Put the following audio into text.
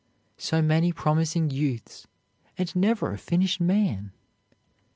"So many promising youths, and never a finished man!"